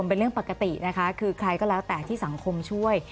เป็นเรื่องปกตินะคะคือใครก็แล้วแต่ที่สังคมช่วย